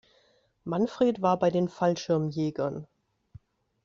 Manfred war bei den Fallschirmjägern.